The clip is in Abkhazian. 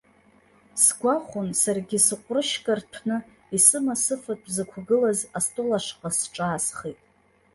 Сгәахәын, саргьы сҟәрышька рҭәны исыма сыфатә зықәгылаз астол ашҟа сҿаасхеит.